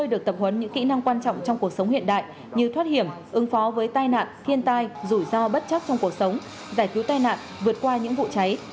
để thoát hiểm ứng phó với tai nạn thiên tai rủi ro bất chắc trong cuộc sống giải cứu tai nạn vượt qua những vụ cháy